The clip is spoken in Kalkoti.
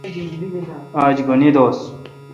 آج گھن عید دوس۔